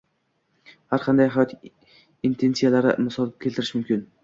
har qanday hayot intensiyalarini misol keltirish mumkin.